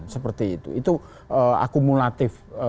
seperti itu itu akumulatif